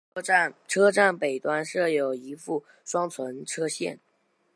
车站北端设有一副双存车线。